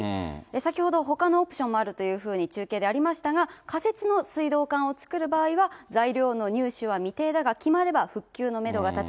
先ほどほかのオプションもあるというふうに中継でありましたが、仮設の水道管を作る場合は、材料の入手は未定だが、決まれば復旧のメドが立つ。